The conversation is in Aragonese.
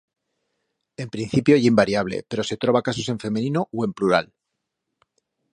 En principio ye invariable, pero se troba casos en femenino u en plural.